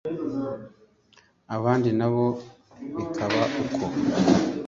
abandi na bo bikaba uko